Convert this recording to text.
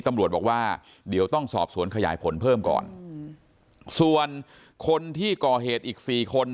ตำรวจบอกว่าเดี๋ยวต้องสอบสวนขยายผลเพิ่มก่อนส่วนคนที่ก่อเหตุอีกสี่คน